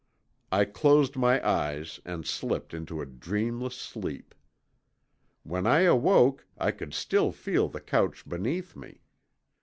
I closed my eyes and slipped into a dreamless sleep. When I awoke I could still feel the couch beneath me.